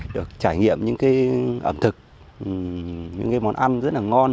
được trải nghiệm những cái ẩm thực những cái món ăn rất là ngon